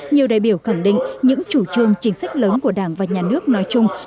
nhiều đại biểu khẳng định những chủ trương chính sách lớn của đảng và nhà nước nói chung